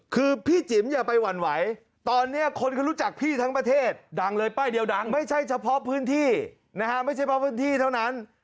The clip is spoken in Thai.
คือพี่จิ๋มอย่าไปหวั่นไหวตอนนี้คนเขารู้จักพี่ทั้งประเทศดังเลยป้ายเดียวดังไม่ใช่เฉพาะพื้นที่นะฮะไม่ใช่เพราะพื้นที่เท่านั้น